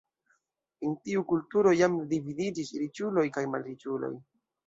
En tiu kulturo jam dividiĝis riĉuloj kaj malriĉuloj.